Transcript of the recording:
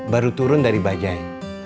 baru turun dari bajaj